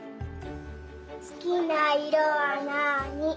すきないろはなに？